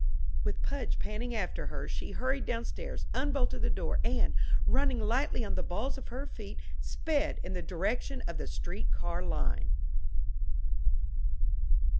With Pudge panting after her, she hurried downstairs, unbolted the door, and, running lightly on the balls of her feet, sped in the direction of the street car line.